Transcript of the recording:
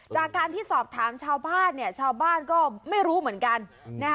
จากการที่สอบถามชาวบ้านเนี่ยชาวบ้านชาวบ้านก็ไม่รู้เหมือนกัน